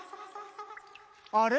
あれ？